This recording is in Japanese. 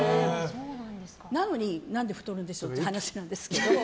なのに、何で太るんでしょうって話なんですけど。